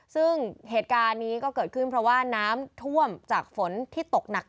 ซึ่งเหตุการณ์นี้ก็เกิดขึ้นเพราะว่าน้ำท่วมจากฝนที่ตกหนัก